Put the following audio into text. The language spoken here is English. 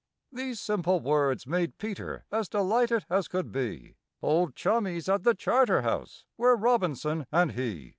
These simple words made PETER as delighted as could be, Old chummies at the Charterhouse were ROBINSON and he!